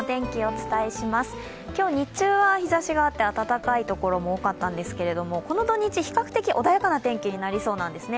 今日日中は日ざしがあって暖かい所も多かったんですけど、この土日、比較的穏やかな天気になりそうなんですね。